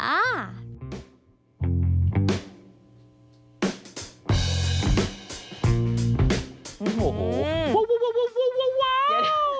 โอ้โหโว้วว้าว